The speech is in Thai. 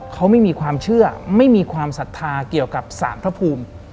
เขาไม่มีความเชื่อไม่มีความศรัทธาเกี่ยวกับสารพระภูมิ